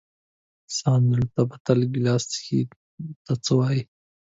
ساندرزه ته بل ګیلاس څښې، ته څه وایې؟